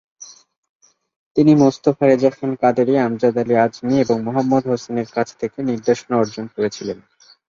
তিনি মোস্তফা রেজা খান কাদেরী, আমজাদ আলী আজমি এবং মুহাম্মদ হোসেনের কাছ থেকে নির্দেশনা অর্জন করেছিলেন।